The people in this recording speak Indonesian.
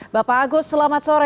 bapak agus selamat sore